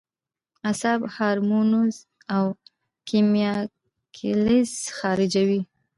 اعصاب هارمونز او کېميکلز خارجوي